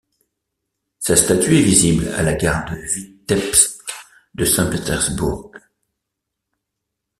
Sa statue est visible à la gare de Vitebsk de Saint-Pétersbourg.